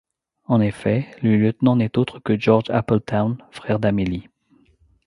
En effet, le lieutenant n'est autre que Georges Appeltown, frère d'Amélie.